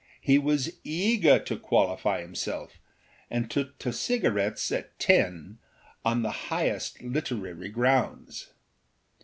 He was eager to qualify himself, and took to cigarettes at ten, on the highest literary grounds.